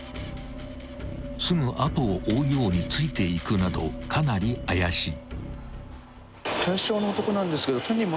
［すぐ後を追うようについていくなどかなり怪しい］